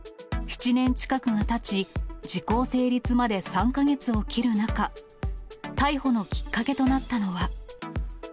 ７年近くがたち、時効成立まで３か月を切る中、逮捕のきっかけとなったのは。